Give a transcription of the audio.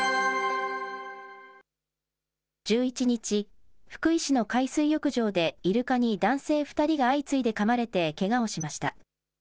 １１日、福井市の海水浴場でイルカに男性２人が相次いでかまれてけがをしました。